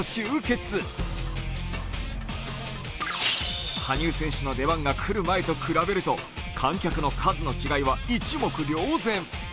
羽生選手の出番が来る前と比べると、観客の数の違いは一目瞭然。